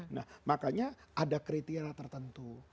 nah makanya ada kriteria tertentu